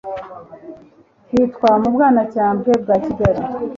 hitwa “Mu Bwanacyambwe bwa Kigali”.